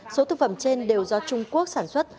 số thực phẩm trên đều do trung quốc sản xuất